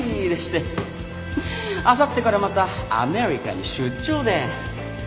あさってからまたアメリカに出張で。